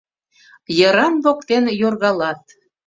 Йыран воктен йоргалат.